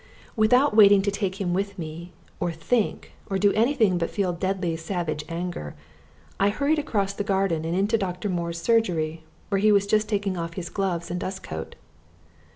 Without waiting to take him with me, or think, or do anything but feel deadly savage anger, I hurried across the garden and into Dr. Moore's surgery, where he was just taking off his gloves and dust coat.